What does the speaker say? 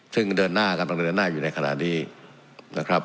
ซึ่งกำลังเดินหน้าอยู่ในขณะนี้นะครับ